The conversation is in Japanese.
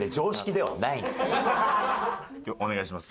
ではお願いします。